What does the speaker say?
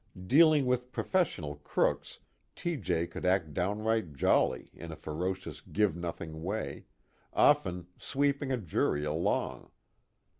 Dealing with professional crooks, T. J. could act downright jolly in a ferocious give nothing way, often sweeping a jury along.